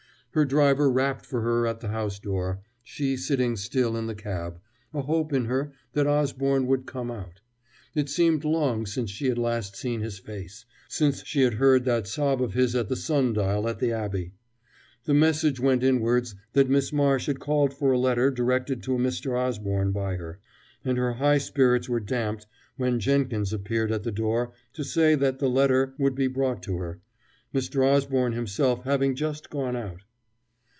Her driver rapped for her at the house door, she sitting still in the cab, a hope in her that Osborne would come out. It seemed long since she had last seen his face, since she had heard that sob of his at the sun dial at the Abbey. The message went inwards that Miss Marsh had called for a letter directed to Mr. Osborne by her; and her high spirits were damped when Jenkins reappeared at the door to say that the letter would be brought her, Mr. Osborne himself having just gone out.